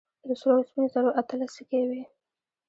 د سرو او سپينو زرو اتلس سيکې وې.